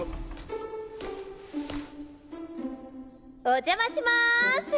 お邪魔します。